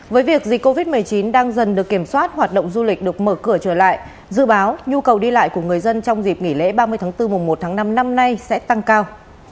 với việc dịch covid một mươi chín đang dần được kiểm soát hoạt động du lịch được mở cửa trở lại dự báo nhu cầu đi lại của người dân trong dịp nghỉ lễ ba mươi tháng bốn mùa một tháng năm năm nay sẽ tăng cao